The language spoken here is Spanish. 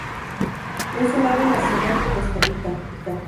Es el ave nacional de Costa Rica.